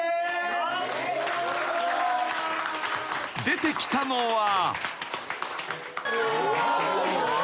［出てきたのは］